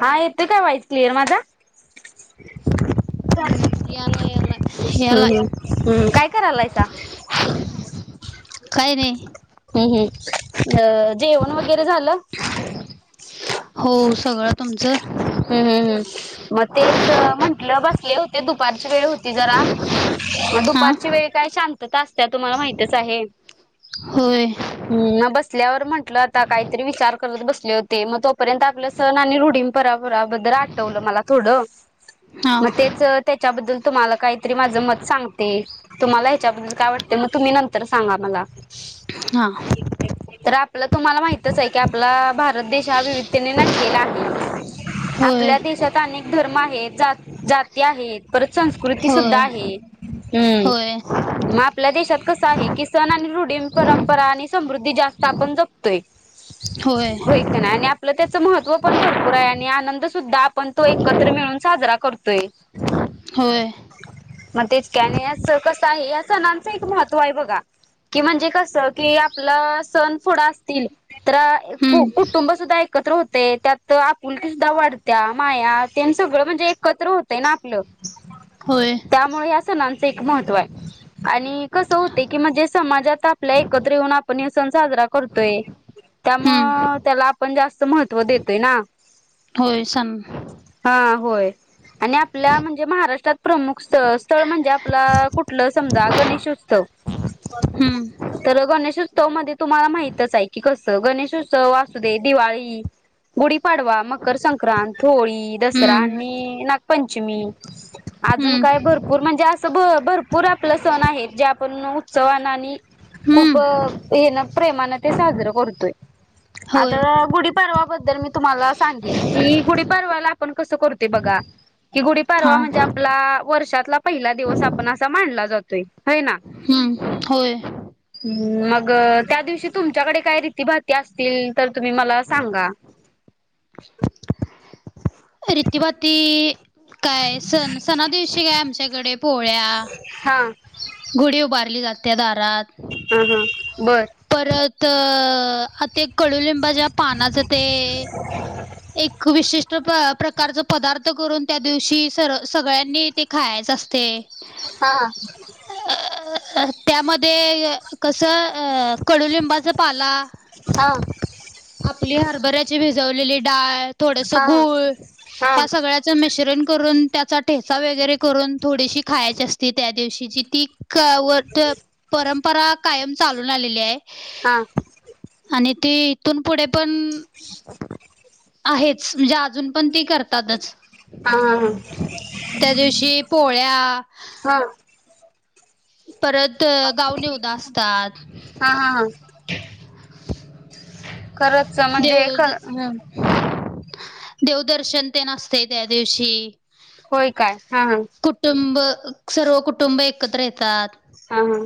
हा येतोय काय वाईस क्लिअर माझा? जा. हम्म, याला याला याला हम्म्, हम्म, काय करायलायसा? काय नाही हम्म, हम्, अ जेवण वगैरे झालं? हो, सगळं तुमचं. हम्म हम्म हम्म. ते दुपारची वेळ होती जरा,, हां दुपारची वेळ काय शांती ता आसत्या, तुम्हाला माहतीच आहे. होय. असल्यावर म्हटलं आता काहीतरी विचार करत बसले होते, मग तोपर्यंत आपलं सण आणि रुढीमपरावऽऽ बरा बद्दल आटवल मला थोडं, हां मगच त्याच्याबद्ऽऽ तुम्हाला काहीतरी माझं मत सांगते, तुम्हाला ह्याच्याबद्दल काय वाटते मग तुम्ही नंतर सांगा मला. हां तर आऽऽ आपलं तुम्हाला माहितच आहे की आपला भारत देश हा विविधतेने नटलेला आहे. होय आपल्या देशात अनेक धर्म आहेत, जाती आहेत, परऽ संस्कृती होय सुद्धा आहे, हम्. होय मग आपल्या देशात कस आहे. किसन आणि रुढिम परंपरा आणि समृद्धी जास्त आपण जपतोय.. होय होक नाय, आणि आपलं त्याच महत्त्व पण भरपूरऽऽ पुरा आणि आनंद सुद्धा आपण तो एकत्र मिळून साजरा करतोय.. होय. मग तेचकी आधी, कसं आहे या सणांचं एक महत्त्व आहे बघा. कि म्हणजे कस की आपलंऽऽ सण पुढं असतील तरु हम्म कुटुंब सुद्धा एकऽऽ एकत्र होतेय त्याऽऽ तर आपुलकी सुद्धा वाढत्या, माया तन सगळं म्हणजे एकत्र होतय ना आपलं.. होय त्यामुळे या सणांचं एक महत्त्व आय. आणि कसं होतेय की म्हणजे समाजात आपल्या एकत्र येऊन आपण सण साजरा करतोय.. त्यामुंळ हम्म त्याला आपण जास्त महत्त्व देतोय ना.. होय सां हा होय आणि आपल्या म्हणजे महाराष्ट्रात प्रमुख स्थळ म्हणजे आपला कुठलं समजा गणेशोत्सव हा तर गणेशोत्सव मध्ये तुम्हाला माहितच आहे की कस गणेशोत्सव वासू दे दिवाळी दिवाळी गुढीपाडवा मकर संक्रांत होळी दसरा हम्म आणि नागपंचमी अजून काय हम्म भरपूर म्हणजे असं भरपूर आपलं सण आहेत जे आपण उत्सवाना आणि खूप हम्म हे ना प्रेमान ते साजरं करतोय होय आता गुढीपावाबद्दल तरर मी तुम्हाला सांगेन की गुढी पाडवा आपण कसं करते बघा कि गुढीपडवा म्हणजे हां आपला वर्षातला पहिला दिवस आपण असा मानला जातोय है ना हम्म होय मग त्या दिवशी तुमच्याकडे काय रीती भाती असतील तर तुम्ही मला सांगा रितीभाती काय सण सणा दिवशी काय आमच्याकडे पोळ्या हा गुडी उभारली जाते दारात हां हां बरं तर आ ते कडुलिंबा ज्या पानाच ते एक विशिष्ट प्रकारचा पदार्थ करून त्या दिवशी स सगळ्यांनी ते खायच असते. हा अ त्यामध्ये कस कडुलिंबाच पाला हा आपली हरभऱ्याची भिजवलेली डाळ थोडस हा हा गूळ ह्या सगळ्याच मी मिश्रण करून त्याचा ठेचा वगैरे करून थोडीशी खायची असती त्या दिवशी जी ती व परंपरा कायम चालून आलेली आहे. हा आणि ती इथून पुढे पण आहेच म्हणजे अजून पण ती करतातच हा त्या दिवशी पोळ्या. हा परत गाव नैवेद्य असतात. हा हा खरचच म्हणजे ए देव हम् देवदर्शन ते नसते त्या दिवशी होय काय हा हा कुटुंब सर्व कुटुंब एकत्र येतात हा हा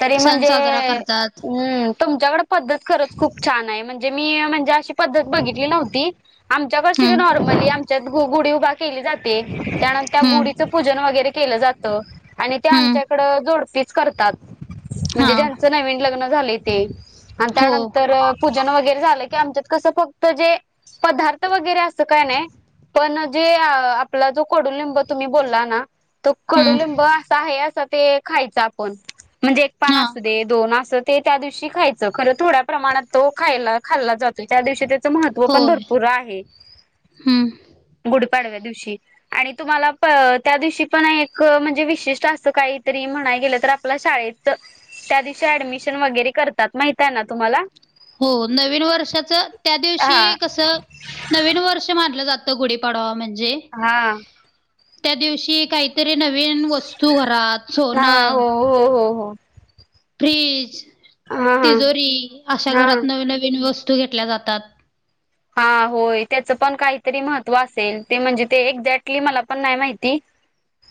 तरी सण म्हणजे साजरा करतात हम्म तुमच्याकडे पद्धत खरच खूप छान आहे म्हणज मी म्हणजे अशी पद्धत बघितली नव्हती आमच्याकडे हम्म नॉर्मली गुढी उभा जाते त्यानंतर त्या गुढीचं हम्म पूजन वगैरे केलं जात आणि त्या हम्म आमच्याकड जोड करतात हा ज्यांच नवीन लग्न झाले ते आणि हो त्यानंतर पूजन वगैरे झालं की आमच्यात कसं फक्त जे पदार्थ वगैरे असत काय नाही पण जे आपला जो कोडूलिंब तुम्ही बोलला ना त हम्म कडुलिंब असा आहे असं ते खायच आपण म्हणजे एक पान हा असू दे दोन अस ते त्या दिवशी खायच खर थोड्या प्रमाणात तो खायला खाल्ला जातो त्या दिवशी महत्त्व पण होय भरपूर आहे हम्म त्यादिवशी पण एक म्हणजे विशेषतः असं काहीतरी म्हणायला गेलं तर तर आपल्या शाळेत त्या दिवशी ऍडमिशन वगैरे करतात माहित आहे ना तुम्हाला हो नवीन वर्षाच त्या हा दिवशी कस नवीन वर्ष मानलं जात गुडी पडवा म्हणजे हा त्या दिवशी काहीतरी नवीन वस्तू घरात हा सोनं हो हो हो हो फ्रीज हा हा तिजोरी अशा हा घरात नवी नवीन वस्तू वू घेतल्या जातात. हा होय त्याचं पण काहीतरी महत्त्व असेल ते म्हणजे ते एक्झॅक्टली मला पण नाही माहिती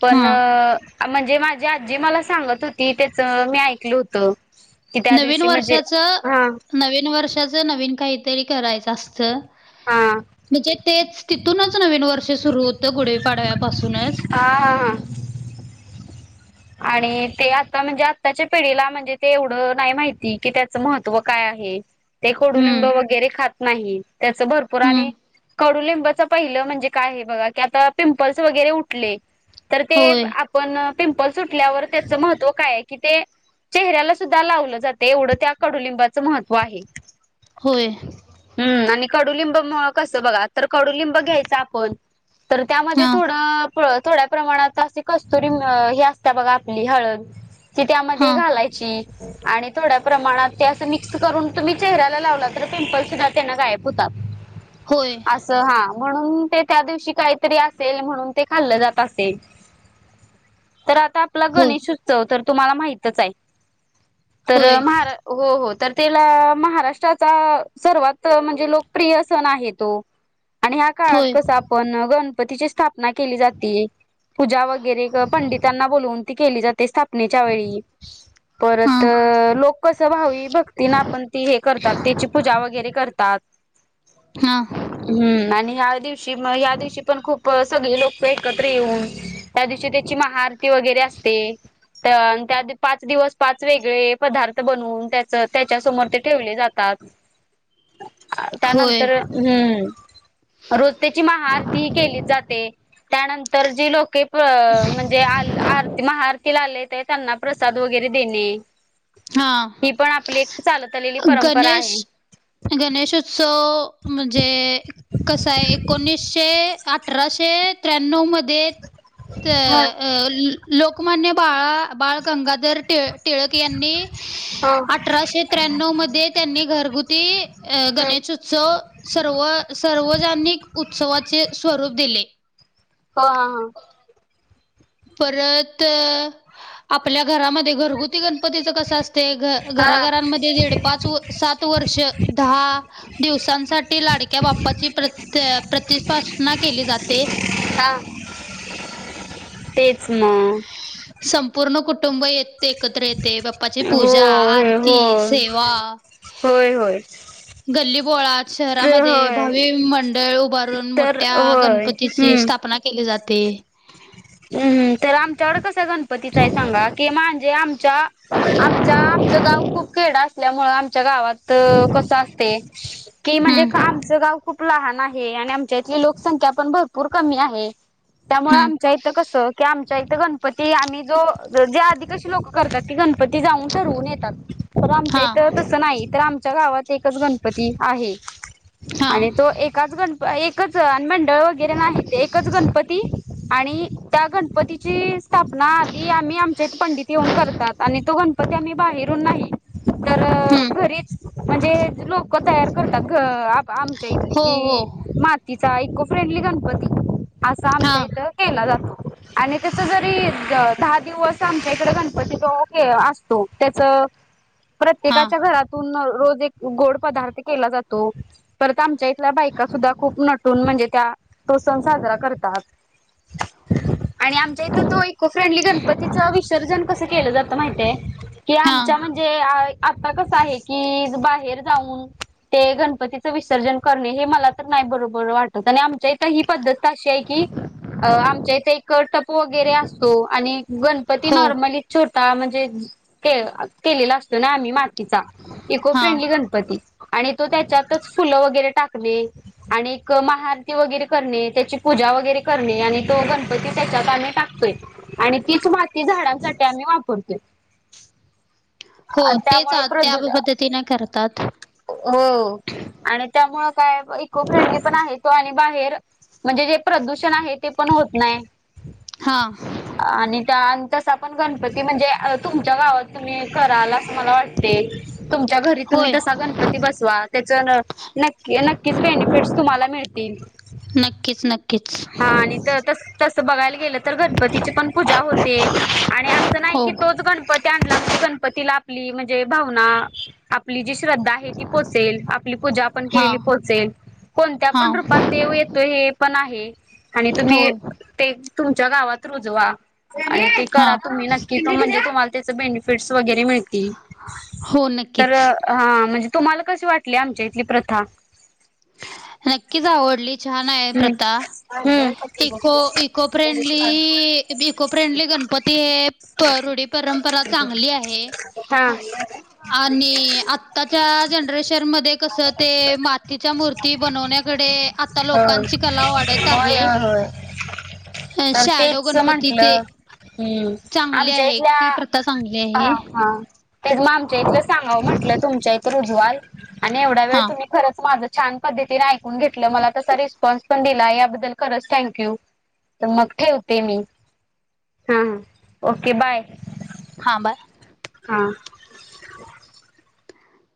पण हा आ म्ह जे माझी आजी मला सांगत होती त्याच मी ऐकल होत नवीन वर्षाच नवीन वर्षाच नवीन काहीतरी करायचं असतं हा म्हणजे तेच तिथूनच नवीन वर्ष सुरू होत गुढी पाडव्यापासून हा आणि ते आता म्हणजे आत्ताच्या पिढीला म्हणजे ते एवढं नाही माहिती की त्याचं महत्त्व काय डुब हम्म वरे खात नाही त्या हम्म भरपूरड पहि म्हणजे काय बा क आ पिंपल्स वगैरे उले तर ते होय आपण पिंपल सुटल्यावर त्याचं महत्त्व काय की ते चेहऱ्याला सुद्धा लावलं जातं एवढं त्या कडुलिंबाचं महत्त्व आहे. होय हम्म आणि कडुलिंब कस बघा तर कडुलिंब घ्यायचं आपण तर त्यामध्ये हा थोड थोड्या प्रमाणातशी कस्तुरी ही असत बघा आपली हळद ती हा त्यामध्ये घालायची आणि थोड्या प्रमाणात ते असं मिक्स करून. तुम्ही चेहऱ्याला लावला तर पिंपल् सुद्धा त्यांना गायब होतात होय असं हा म्हणून ते त्या दिवशी काहीतरी असेल म्हणून ते खाल्लं जात असेल तर आता आपला होय गणेशोत्सव तर तुम्हाला माहितच आहे तर होय महारा हो हो तर त्याला महाराष्ट्राचा सर्वात म्हणजे लोकप्रिय सण आहे तो आणि ह्या काळात होय कसं आपण गणपतीची स्थाप केली जाते पूजा वगैरे पंड न ती केली जाते स्थापनेच्या वेळी हा परत लोक कसं व्हावी भक्ती ना आपण ती हे करतात त्याची पूजा वगैरे करतात हा हम्म आणि ह दिवशी म या दिवशी पण खूप सगळे लोक एकत्र येऊन त्या दिवशी त्याची महा असते तर त्या पाच दिवस पाच वेगळे पदार्थ बनवून त्याच त्याच्या समोर ते ठेवले जातात होय त्यानंतर हम्म रोज त्याची महाआरती ह केली जाते त्यानंतर जी लोके म्हणजे आ मतीला त्यांना प्रसाद वगैरे हा दे पण आप लेली परंपरा आहे गणेश गणेशोत्सव म्हणजे कसा आहे एकोणीसशे अठराशे त्र्या्णव मध्ये हा अ लोकमान्य बाळा बाळ गंगाधर ट टिळक यांनी हम् अठराशे त्र्या्णव मध्ये त्यांनी घरगुती हम्म गणेशोत्सव सर्व सार्वजनिक उत्सवाचे स्वरूप दिले हा हा परत आपल्या घरामध्ये घरगुती करण कस असते हा. हा घराघरांमध्ये दड पाच सात वर्ष दहा दिवस ांसाठी लाडक्या बाप्पाची प्र प्रतिस्पना केली जाते हा तेच मग संपूर्ण कुटुंब येत ते एकत्र येते बाप्पाची हो पूजा आरती हो सेवा होय होय. गल्ली पोळ तर शहरामध्ये होय भावी मंडळ उभारून तर मोठ्या होय गणपतीची हम्म. स्थापना केली जाते. हम्म तर आमच्याकड कसा गणपतीच हाय सांगा की म्हणजे आमच्या आमच्या आमचं गाव खूप खेड अस ल्यामुळे आमच्या गावात कस असतय की म्हणजे हम्म आमच गाव खूप लहान आहे. हे आणि आमच्या इथली लोकसंख्या पण भरपूर कमी आहे त्यामुळे हम्म आमच्या इ की आमच्या इथं गणपती आम्ही जो जे आधी कशी लोक करतात ते गणप पती जाऊन ठरवून येतात तर आमच्या हा इथं तसं नाही तर आमच्या गावात एकच गणपती आहे. हा आणि तो एकाच गणप एक एकच आणि मंडळ वगैरे नाही ते एकच गणपती आणि त्या गणपतीची स्थापना आधी आम्ही आमच्या इथं पंडित येऊन करतात आणि तो गणपती आम्ही बाहेरून नाही तर हम्म घरीच म्हणजे लोक तयार करतात घ आ आमच्या इथली हो हो की माती चा इको फ्रेंडली गणपती असा हा आमच्या इथं केला जातो. आणि तस जरी दहा दिवस आम च्या इकडं गणपती जो असतो त्याच हा प्रत्येकाच्या घरातून रोज गोड पदार्थ केला जातो परत आमच्या इथल्या बायका सुद्धा खूप नटून म्हणजे त्या तो सण साजरा करतात. आणि आमच्या इथं तो इको फ्रेंडली गणपतीचं विसर्जन कसं केलं जातं माहिताय की हां, आमच्या म्हण जे आता कस आहे की बाहेर जाऊन ते गणपतीचं विसर्जन करणे हे मला तर नाही बरोबर वाटत आणि आमच्या इथ ही पद्धत अशी आहे की आमच्या इथे एक टप वगैरे असतो आणि गणपती हो, नॉर्मली छोटा म्हण जे के केलेलो असतोय ना आम्ही मा तिचा इको हां, फ्रेंडली गणप आणि तो त्याच्यातच फुल वगैरे टाक ने आणि महाआरती वगैरे करणे त्याची पूजा वगैरे करणे आणि तो गण पती त्याच्यात आम्ही टातोय आणि तीच माती झाडांसाठी आम्ही वापरतोय. हो आणि तेच त्यामुळे त्या प्रदू प पद्धतीने करतात. हो आणि त्यामुळ काय इको फ्रेंडली पण आहे तो आणि बाहेर म्हणजे जे प्रदूषण आहे ते पण होत नाय. हां, आणि त्या तस पण गणपती म्हणजे तुमच्या गावात तुम्ही कराल असं मला वाटते. तुमच्या घरी तुम्ही होय. तसा गणपती बसवा त्याच नक्की नक्कीच बेनिफिट्स तुम्हाला मिळतील. नक्कीच, नक्कीच. हा आणि त तस तसं बघायला गेलं तर गणपतीची पण पूजा होते आणि असं नाही हो, की तो च गणपती आणला म्हणजे गणपतीला आपली म्हणजे भावना आपली जी श्रद्धा आहे ती पोहचेल आपली पूजा आपण हां, केलेली पोहचेल कोणत्या पण हां, रूपात देव येतो हे पण आहे. आणि हो, तुम्ही ते तुमच्या गावात रुजवा. आणि ते करा हां. तुम्ही नक्की तो म्हणजे तुम्हाला त्याच बेनिफिट्स वगैरे मिळतील हो, तरी नक्कीच. हा म्हणजे तुम्हाला कशी वाटली आमच्या इथली प्रथा? नक्कीच आवडली छान हाय हम्म प्रथा. हम्म eco eco friendly eco friendly Ganpati हे तर रूढी परंपरा चांगली आहे. हा आणि आताच्या जनरेशन मध्ये कस ते मातीच तिच्या मूर्ती बनवण्याकडे आता लो हो होय होय होय अ तर शॅडो तेच गणपती ते म्हटलं. हम्म चांगली आमच्या आहे इथल्या ती प्रथा चांगली हा आहे हा. तेच मग आमच्या इथलं सांगावं म्हटलं तुमच्या इथ रुजवाल आणि एवढा वेळ हा तुम्ही खरच माझं छान पद्धतीने ऐकून घेतलं मला तसा रिस्पॉन्स पण दिला याबद्दल खरच थँक यू तर मग ठेवते मी. हा- हा ओके बाय. [unintelligible] [inaudible]